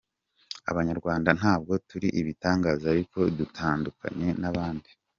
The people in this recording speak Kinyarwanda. Abanyarwanda ntabwo turi ibitangaza ariko dutandukanye n’abandi.